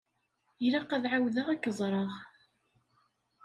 Ilaq ad ɛawdeɣ ad k-ẓreɣ.